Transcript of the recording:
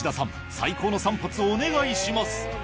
最高の３発お願いします